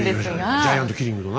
ジャイアントキリングのな？